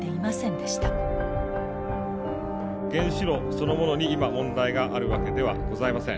原子炉そのものに今問題があるわけではございません。